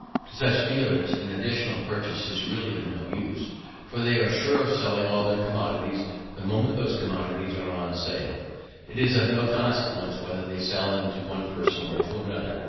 To such dealers an additional purchaser is really of no use; for, if they are sure of selling all their commodities the moment those commodities are on sale, it is of no consequence whether they sell them to one person or to another.